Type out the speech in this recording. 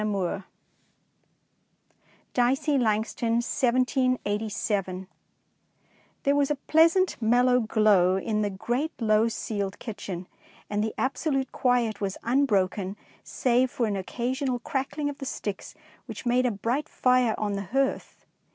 219 Dicey Langston 1787 HERE WAS A pleasant mellow glow in the great low ceiled kitchen, and the ab solute quiet was un broken save for an occasional crackling of the sticks which made a bright fire on the hearth.